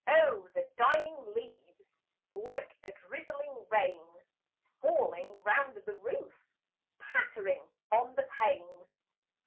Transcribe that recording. Oh! the dying leaves, Like a drizzling rain, Falling round the roof Pattering on the pane!